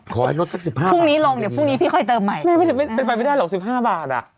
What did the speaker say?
พรุ่งนี้ลงเดี๋ยวพรุ่งนี้พี่ค่อยเติมใหม่เป็นไปไม่ได้เหรอ๑๕บาทน่ะ